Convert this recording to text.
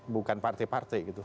bukan partai partai gitu